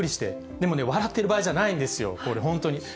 でもね、笑ってる場合じゃないんですよ、これ本当に。